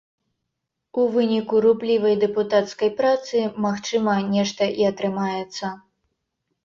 У выніку руплівай дэпутацкай працы магчыма, нешта і атрымаецца.